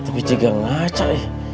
tapi juga ngaca ya